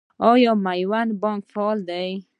آیا میوند بانک فعال دی؟